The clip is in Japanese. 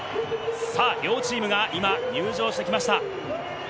両チームが入場してきました。